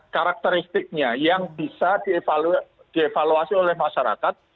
karakteristiknya yang bisa dievaluasi oleh masyarakat